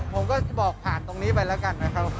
ผมก็จะบอกผ่านตรงนี้ไปแล้วกันนะครับ